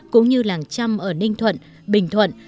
cũng như làng trăm ở ninh thuận bình thuận